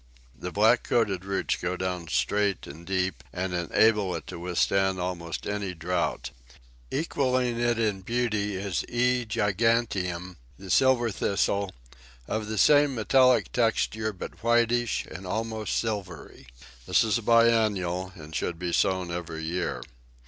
The black coated roots go down straight and deep, and enable it to withstand almost any drought. Equalling it in beauty is E. giganteum, the Silver Thistle, of the same metallic texture, but whitish and almost silvery. This is a biennial, and should be sown every year.